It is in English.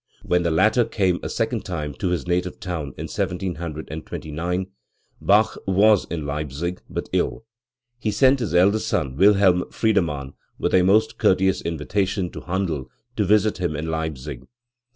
When the latter came a second time to his native town, in 1729, Bach was in Leipzig, but ill. He sent his eldest son Wilhehn Friedemann with a most courteous invitation to Handel to visit him in Leipzig.